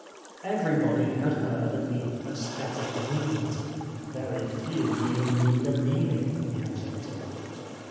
Everybody had heard of " the aesthetic movement," very few even knew the meaning of the adjective.